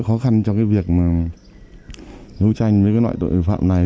khó khăn trong việc nấu tranh với loại tội phạm này